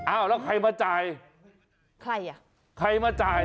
อ้าวแล้วใครมาจ่ายใครอ่ะใครมาจ่าย